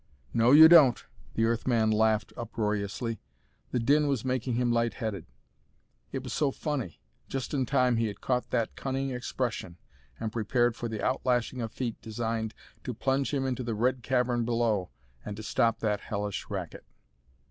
"No you don't!" The Earth man laughed uproariously. The din was making him light headed. It was so funny! Just in time he had caught that cunning expression and prepared for the outlashing of feet designed to plunge him into the red cavern below and to stop that hellish racket.